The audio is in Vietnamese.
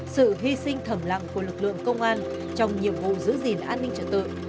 sự hy sinh thầm lặng của lực lượng công an trong nhiệm vụ giữ gìn an ninh trật tự